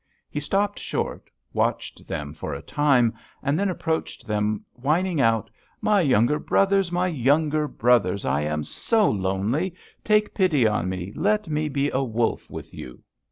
He stopped short, watched them for a time, and then approached them, whining out: 'My younger brothers! My younger brothers! I am very lonely! Take pity on me: let me be a wolf with you!'